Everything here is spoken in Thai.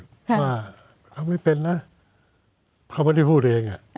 ว่าเขาไม่เป็นนะเขาไม่ได้พูดเอง